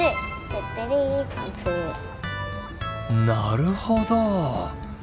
なるほど。